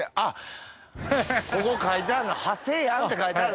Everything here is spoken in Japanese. ここ書いてあるの「ハセヤン」って書いてある。